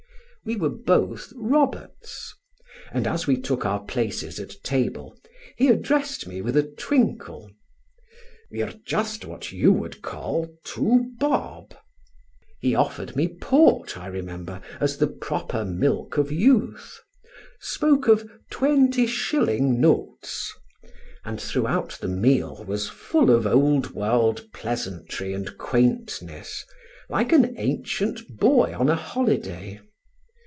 We were both Roberts; and as we took our places at table, he addressed me with a twinkle: "We are just what you would call two bob." He offered me port, I remember, as the proper milk of youth; spoke of "twenty shilling notes"; and throughout the meal was full of old world pleasantry and quaintness, like an ancient boy on a holiday.